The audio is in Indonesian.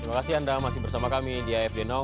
terima kasih anda masih bersama kami di afd now